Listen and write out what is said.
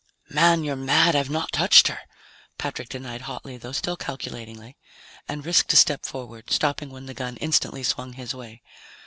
"Man, you're mad; I've not touched her!" Patrick denied hotly though still calculatingly, and risked a step forward, stopping when the gun instantly swung his way.